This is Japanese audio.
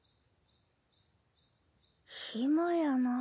暇やなぁ。